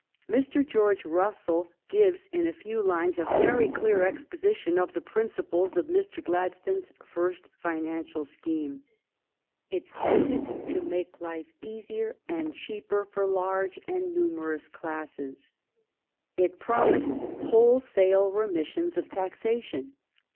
Mr. George Russell gives, in a few lines, a very clear exposition of the princi ples of Mr. Gladstone s first financial scheme. "It tended to make life easier and cheaper for large and numerous classes. It promised whole sale remissions of taxation.